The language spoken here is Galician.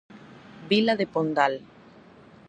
Vila de Pondal.